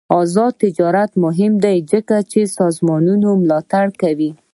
آزاد تجارت مهم دی ځکه چې سازمانونه ملاتړ کوي.